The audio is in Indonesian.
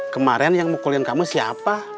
kemarin yang mukulin kamu siapa